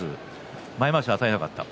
前まわしを与えなかった。